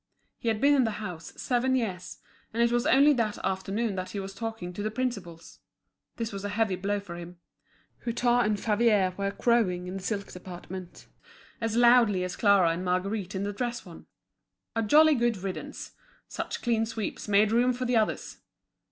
He had been in the house seven years, and it was only that afternoon that he was talking to the principals; this was a heavy blow for him. Hutin and Favier were crowing in the silk department, as loudly as Clara and Marguerite in the dress one. A jolly good riddance! Such clean sweeps make room for the others!